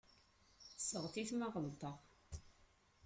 Seɣtit ma ɣelḍeɣ.